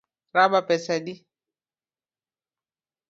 Raba pesa adi?